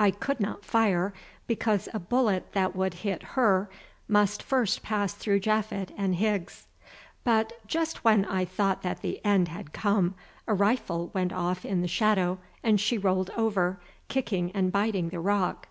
I could not fire, because a bullet that would hit her must first pass through Japhet and Higgs. But, just when I thought that the end had come, a rifle went off in the shadow and she rolled over, kicking and biting the rock.